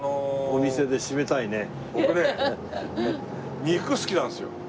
僕ね肉が好きなんですよ。